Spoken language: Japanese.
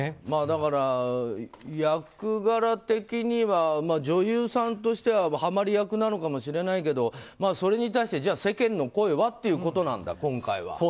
役柄的には女優さんとしてははまり役なのかもしれないけどそれに対して世間の声はっていうことなんだ、今回は。